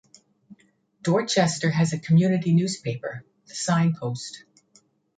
Dorchester has a community newspaper, "The Signpost".